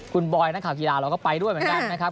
คุณบอยนักข่าวกีฬาเราก็ไปด้วยเหมือนกันนะครับ